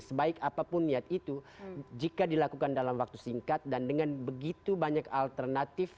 sebaik apapun niat itu jika dilakukan dalam waktu singkat dan dengan begitu banyak alternatif